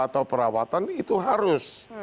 atau perawatan itu harus